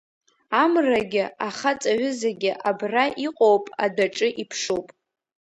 Амрагьы ахаҵаҩызагьы абра иҟоуп адәаҿы иԥшуп…